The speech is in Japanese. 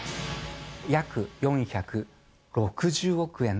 約４６０億円。